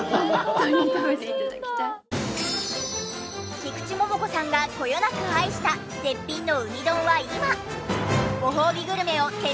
菊池桃子さんがこよなく愛した絶品のうに丼は今？